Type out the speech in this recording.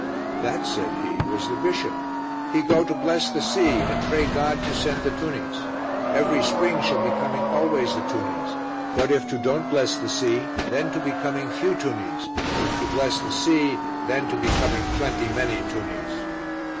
"That," said he, "was the bishop; he go to bless the sea and pray God to send the tunnies. Every spring shall be coming always the tunnies, but if to don't bless the sea, then to be coming few tunnies; if to bless the sea then to be coming plenty many tunnies."